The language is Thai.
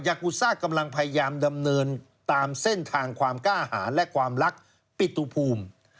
กูซ่ากำลังพยายามดำเนินตามเส้นทางความกล้าหารและความรักปิตุภูมิ